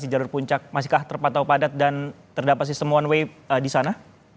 jalur puncak masihkah terpantau padat dan terdapat sistem one way di sana